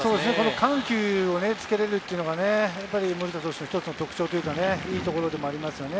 緩急をつけれるっていうのが森下投手の特徴というか、いいところではありますね。